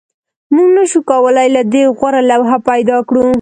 موږ نشوای کولی له دې غوره لوحه پیدا کړو